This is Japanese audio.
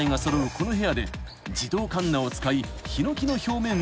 この部屋で自動かんなを使いヒノキの表面を削っていく］